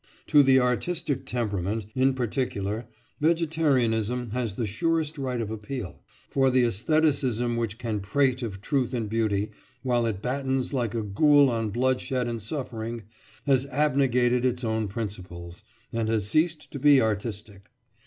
To the artistic temperament, in particular, vegetarianism has the surest right of appeal; for the æstheticism which can prate of truth and beauty, while it battens like a ghoul on bloodshed and suffering, has abnegated its own principles, and has ceased to be artistic.